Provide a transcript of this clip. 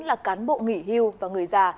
là cán bộ nghỉ hưu và người già